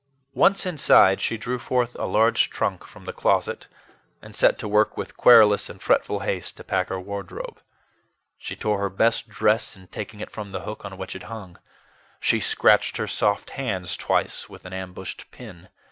Once inside, she drew forth a large trunk from the closet and set to work with querulous and fretful haste to pack her wardrobe. She tore her best dress in taking it from the hook on which it hung: she scratched her soft hands twice with an ambushed pin.